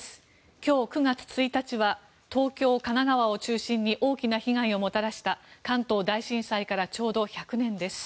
今日９月１日は東京、神奈川県を中心に大きな被害をもたらした関東大震災からちょうど１００年です。